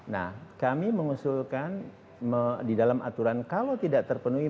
nah kami mengusulkan di dalam aturan kalau tidak terpenuhi